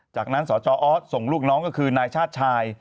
จากนั้นสจออสส่งลูกน้องก็คือนายชาติชาย